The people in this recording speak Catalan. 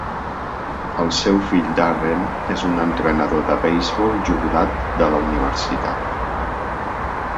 El seu fill Darren és un entrenador de beisbol jubilat de la universitat.